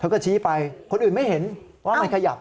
ก็ชี้ไปคนอื่นไม่เห็นว่ามันขยับ